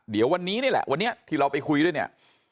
เดี๋ยววันนี้นี่แหละวันนี้ที่เราไปคุยด้วยเนี่ย